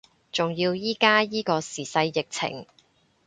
仲要依家依個時勢疫情